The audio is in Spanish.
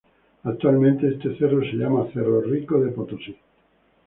Actualmente, este cerro se llama Cerro Rico de Potosí.